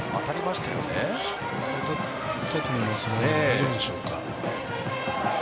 大丈夫でしょうか。